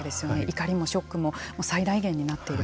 怒りもショックも最大限になっている。